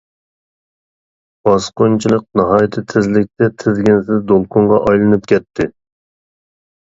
باسقۇنچىلىق ناھايىتى تېزلىكتە تىزگىنسىز دولقۇنغا ئايلىنىپ كەتتى.